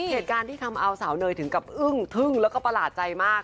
เหตุการณ์ที่ทำเอาสาวเนยถึงกับอึ้งทึ่งแล้วก็ประหลาดใจมาก